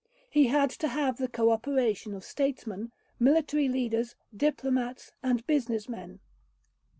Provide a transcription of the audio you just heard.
He had to have the co operation of statesmen, military leaders, diplomats, and business men.